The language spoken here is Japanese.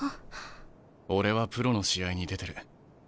俺はプロの試合に出てる。